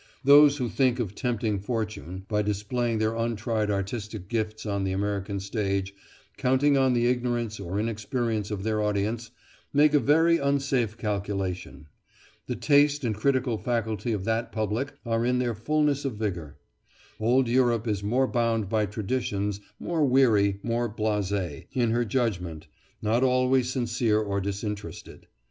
Those who think of tempting fortune by displaying their untried artistic gifts on the American stage, counting on the ignorance or inexperience of their audience, make a very unsafe calculation. The taste and critical faculty of that public are in their fulness of vigour. Old Europe is more bound by traditions, more weary, more blase, in her judgment, not always sincere or disinterested.